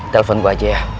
telepon gua aja ya